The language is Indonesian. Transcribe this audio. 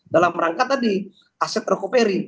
dalam rangka tadi aset recovery